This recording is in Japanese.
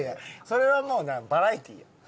それはもうなバラエティーやん。